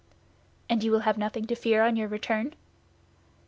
"And you will have nothing to fear on your return?"